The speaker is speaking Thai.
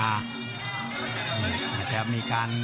อาจจะมีการ